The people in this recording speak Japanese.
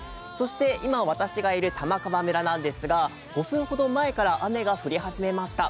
今、私がいる玉川村ですが、５分ほど前から雨が降り始めました。